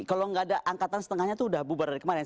kalau nggak ada angkatan setengahnya itu udah bubar dari kemarin